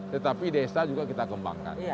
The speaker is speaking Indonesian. tetapi desa juga kita kembangkan